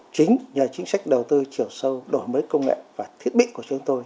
chính nhờ chính sách đầu tư chiều sâu đổi mới công nghệ và thiết bị của chúng tôi